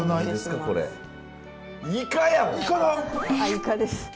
イカです。